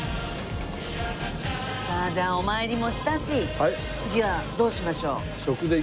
さあじゃあお参りもしたし次はどうしましょう？